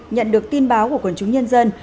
nhận được tin báo của quần chúng nhân dân